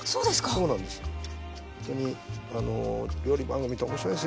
そうなんです。